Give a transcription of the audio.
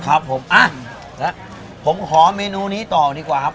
ครับผมอ่ะแล้วผมขอเมนูนี้ต่อดีกว่าครับ